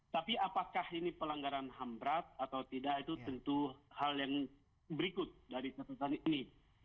tapi apakah ini pelanggaran ham berat atau tidak itu tentu hal yang berikut dari catatan ini